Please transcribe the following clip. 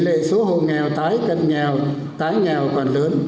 vấn đề số hồ nghèo tái cận nghèo tái nghèo còn lớn